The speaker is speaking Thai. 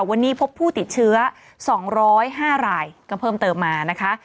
วันนี้พบผู้ติดเชื้อ๒๐๕รายก็เพิ่มเติมมานะคะ